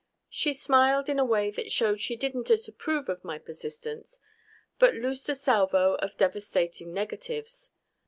She smiled in a way that showed she didn't disapprove of my persistence, but loosed a salvo of devastating negatives.